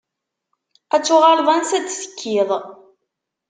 Ad tuɣaleḍ ansa i d-tekkiḍ.